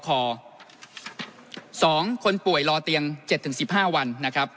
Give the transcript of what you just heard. คนป่วยรอเตียง๗๑๕วัน